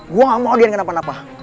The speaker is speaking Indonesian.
gue gak mau deyan kenapa napa